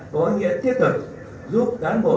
có nghĩa thiết thực giúp cán bộ